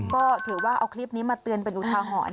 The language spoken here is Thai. ก็ถือว่าเอาคลิปนี้มาเตือนเป็นอุทาหรณ์